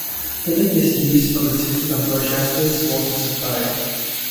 The lake is used for the City of Rochester's water supply.